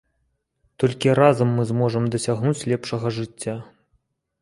Толькі разам мы зможам дасягнуць лепшага жыцця.